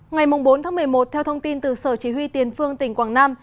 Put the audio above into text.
ngày bốn một mươi một theo thông tin từ sở chỉ huy tiền phương tỉnh quảng nam